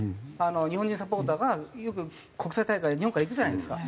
日本人サポーターがよく国際大会日本から行くじゃないですか。